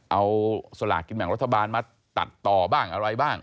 เอาสลากกินแบ่งรัฐบาลมาตัดต่อบ้างอะไรบ้าง